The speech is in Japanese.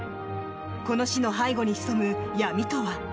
この死の背後に潜む闇とは？